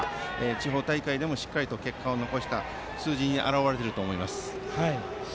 地方大会でもしっかり結果を残した数字に表れていると思います。